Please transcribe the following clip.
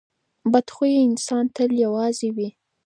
بد خویه انسان تل یوازې وي.